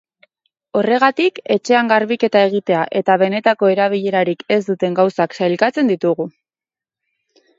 Horregatik, etxean garbiketa egitea eta benetako erabilerarik ez duten gauzak sailkatzen ditugu.